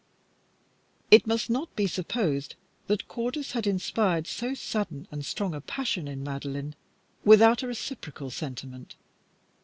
It must not be supposed that Cordis had inspired so sudden and strong a passion in Madeline without a reciprocal sentiment.